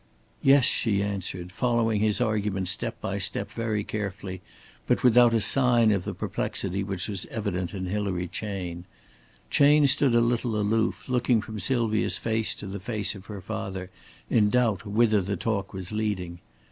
"Yes," she answered, following his argument step by step very carefully, but without a sign of the perplexity which was evident in Hilary Chayne. Chayne stood a little aloof, looking from Sylvia's face to the face of her father, in doubt whither the talk was leading.